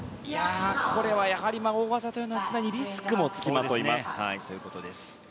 これは大技というのは常にリスクも付きまといます。